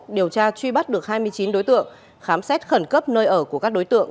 điều tra truy bắt được hai mươi chín đối tượng khám xét khẩn cấp nơi ở của các đối tượng